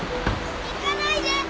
行かないで！